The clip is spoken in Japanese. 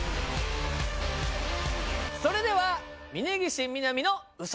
それでは峯岸みなみの嘘。